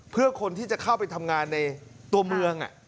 เพื่อคนที่จะเข้าไปทำงานในตัวเมือง